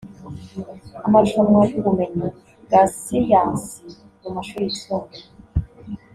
Amarushanwa y’ubumenyi bwa siyansi mu mashuri yisumbuye